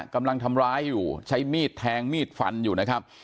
กำลังทำร้ายอยู่ใช้มีดแทงมีดฟันอยู่นะครับ